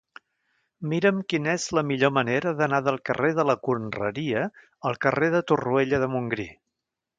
Mira'm quina és la millor manera d'anar del carrer de la Conreria al carrer de Torroella de Montgrí.